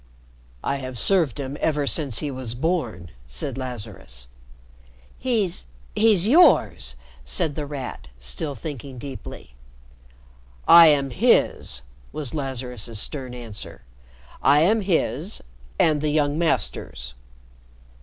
"I have served him ever since he was born," said Lazarus. "He's he's yours," said The Rat, still thinking deeply. "I am his," was Lazarus's stern answer. "I am his and the young Master's."